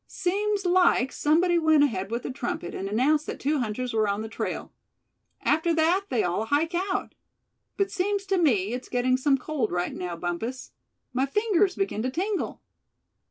Seems like somebody went ahead with a trumpet, and announced that two hunters were on the trail. After that they all hike out. But seems to me it's getting some cold right now, Bumpus. My fingers begin to tingle."